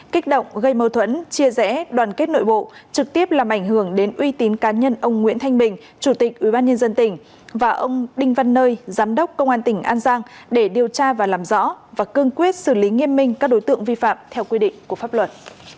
kích động gây mâu thuẫn chia rẽ đoàn kết nội bộ trực tiếp làm ảnh hưởng đến uy tín cá nhân ông nguyễn thanh bình chủ tịch ubnd tỉnh và ông đinh văn nơi giám đốc công an tỉnh an giang để điều tra và làm rõ và cương quyết xử lý nghiêm minh các đối tượng vi phạm theo quy định của pháp luật